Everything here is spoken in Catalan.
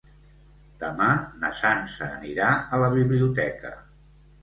Demà na Sança anirà a la biblioteca.